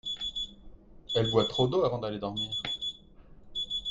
elle boit trop d'eau avant d'aller dormir.